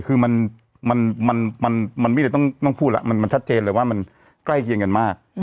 คือมันไม่ได้ต้องพูดแล้วมันชัดเจนเลยว่ามันใกล้เคียงกันมาก